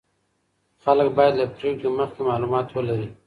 خلک باید له پریکړې مخکې معلومات ولري.